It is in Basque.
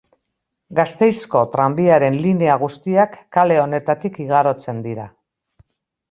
Gasteizko tranbiaren linea guztiak kale honetatik igarotzen dira.